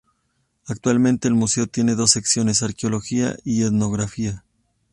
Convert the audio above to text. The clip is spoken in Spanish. Actualmente el Museo tiene dos secciones: Arqueología y Etnografía.